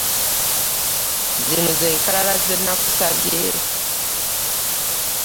Zino z'enkalala ze nakusabye?